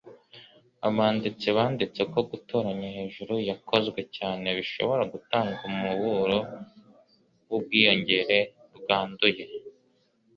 Abanditsi banditse ko gutoranya hejuru yakozwe cyane bishobora gutanga umuburo wubwiyongere bwanduye.